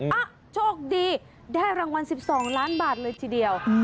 อ่ะโชคดีได้รางวัล๑๒ล้านบาทเลยทีเดียว